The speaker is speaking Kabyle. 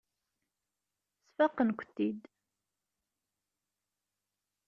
Sfaqen-kent-id.